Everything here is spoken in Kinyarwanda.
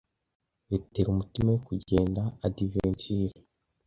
bitera umutima we kugenda adventure